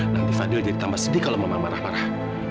nanti fadil jadi tambah sedih kalau memang marah marah